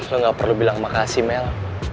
lo gak perlu bilang makasih mel